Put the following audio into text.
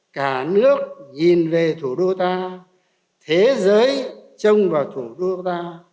cả nước nhìn về thủ đô ta thế giới trông vào thủ đô ta